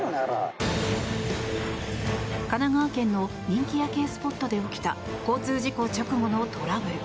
神奈川県の人気夜景スポットで起きた交通事故直後のトラブル。